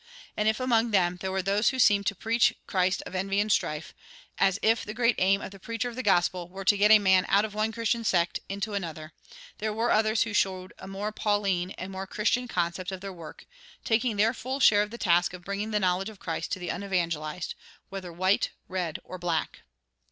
And if among them there were those who seemed to "preach Christ of envy and strife," as if the great aim of the preacher of the gospel were to get a man out of one Christian sect into another, there were others who showed a more Pauline and more Christian conception of their work, taking their full share of the task of bringing the knowledge of Christ to the unevangelized, whether white, red, or black.